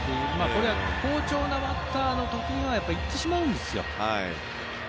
これは好調なバッターの時には行ってしまうんですよ。